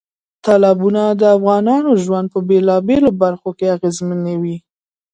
تالابونه د افغانانو ژوند په بېلابېلو برخو کې اغېزمنوي.